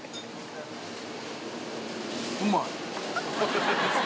うまい！